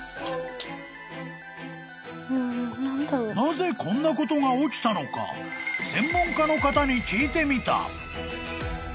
［なぜこんなことが起きたのか専門家の方に聞いてみた］